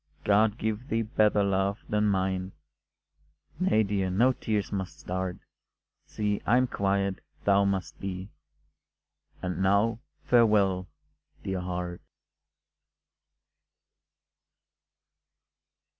God give thee better love than mine Nay, dear, no tears must start, See, I am quiet, thou must be, And now farewell, dear heart.